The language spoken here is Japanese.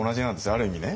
ある意味ね。